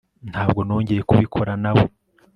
ntabwo nongeye kubikora nawe